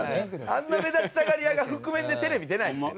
あんな目立ちたがり屋が覆面でテレビ出ないですよ。